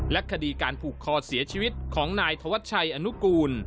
คดีการผูกคอเสียชีวิตของนายธวัชชัยอนุกูล